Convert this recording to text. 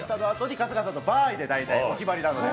春日さんのバーイがお決まりなので。